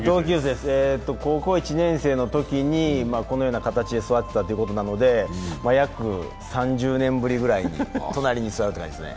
高校１年生のときにこのような形で座ってたということなので約３０年ぶりくらいに隣に座るということですね。